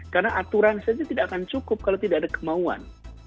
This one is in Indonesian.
karena aturan saja tidak akan cukup kalau tidak ada kemauan